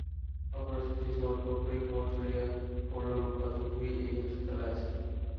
Operation শেষ হবার পরপরই খবর ছড়িয়ে পড়ল রূপা চৌধুরী এই হাসপাতালে আছেন।